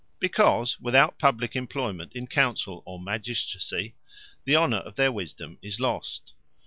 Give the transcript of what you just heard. Because without publique Employment in counsell or magistracy, the honour of their wisdome is lost.